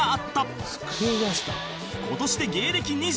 今年で芸歴２７年